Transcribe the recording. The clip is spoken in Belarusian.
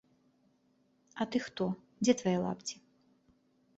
А ты хто, дзе твае лапці?